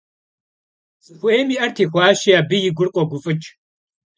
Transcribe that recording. Зыхуейм и Ӏэр техуащи, абы и гур къогуфӀыкӀ.